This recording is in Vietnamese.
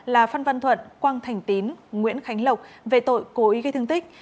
là phan văn thuận quang thành tín nguyễn khánh lộc về tội cố ý gây thương tích